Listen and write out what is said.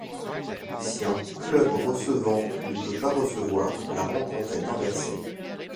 Si un club recevant ne peut pas recevoir, la rencontre est inversée.